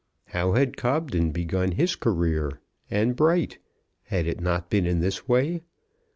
How had Cobden begun his career, and Bright? Had it not been in this way?